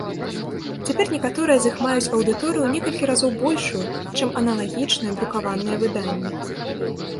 Цяпер некаторыя з іх маюць аўдыторыю ў некалькі разоў большую, чым аналагічныя друкаваныя выданні.